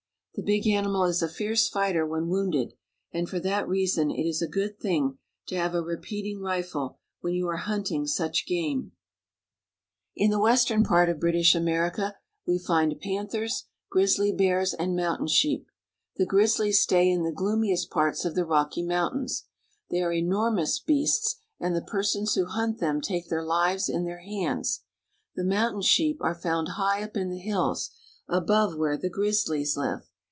The big animal is a fierce fighter when wounded, and for that reason it is a good thing to have a repeating rifle when you are hunting such game. A Grizzly Bear. 314 BRITISH AMERICA. In the western part of British America we find panthers, grizzly bears, and mountain sheep. The grizzlies stay in the gloomiest parts of the Rocky Mountains. They are enormous beasts, and the persons who hunt them take their lives in their hands. The mountain sheep are found high up in the hills, above where the grizzlies live.